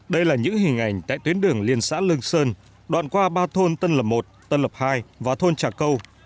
đây là những hình ảnh tại tuyến đường liên xã lương sơn đoạn qua ba thôn tân lập một tân lập hai và thôn trà câu